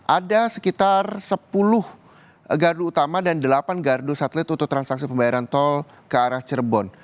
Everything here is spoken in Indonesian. ada sekitar sepuluh gardu utama dan delapan gardu satelit untuk transaksi pembayaran tol ke arah cirebon